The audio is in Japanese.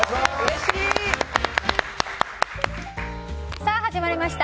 さあ、始まりました。